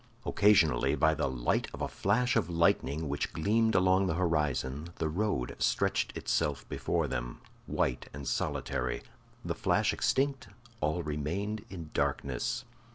Occasionally, by the light of a flash of lightning which gleamed along the horizon, the road stretched itself before them, white and solitary; the flash extinct, all remained in darkness.